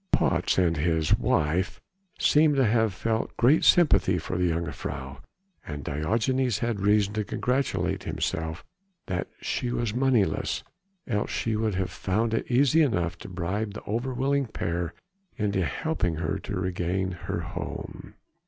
Patz and his wife seemed to have felt great sympathy for the jongejuffrouw, and Diogenes had reason to congratulate himself that she was moneyless, else she would have found it easy enough to bribe the over willing pair into helping her to regain her home.